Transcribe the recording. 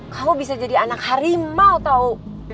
kamu bisa jadi anak harimau atau